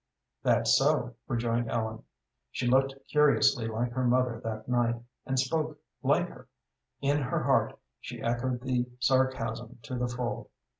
"That's so," rejoined Ellen. She looked curiously like her mother that night, and spoke like her. In her heart she echoed the sarcasm to the full.